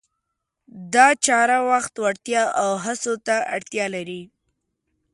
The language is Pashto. دا چاره وخت، وړتیا او هڅو ته اړتیا لري.